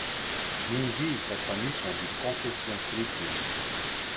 Minzy et sa famille sont de confession chrétienne.